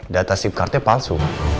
data sim card nya palsu